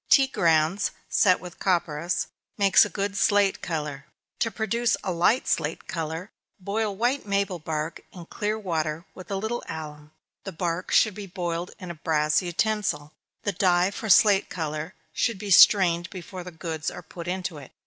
Tea grounds, set with copperas, makes a good slate color. To produce a light slate color, boil white maple bark in clear water, with a little alum the bark should be boiled in a brass utensil. The dye for slate color should be strained before the goods are put into it.